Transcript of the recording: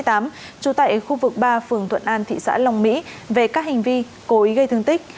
trú tại khu vực ba phường thuận an thị xã long mỹ về các hành vi cố ý gây thương tích